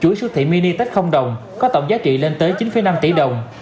chuỗi sưu thị mini tết đồng có tổng giá trị lên tới chín năm tỷ đồng